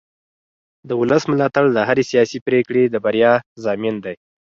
د ولس ملاتړ د هرې سیاسي پرېکړې د بریا ضامن دی